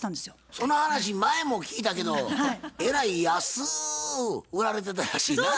その話前も聞いたけどえらい安ぅ売られてたらしいなぁ。